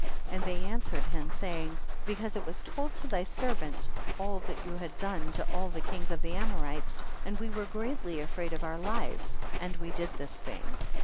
and they answered him, say ing, because it was told to thy ser vants all that you had done to all the kings of the Amorites, and we were greatly afraid of our lives, and we did this thing.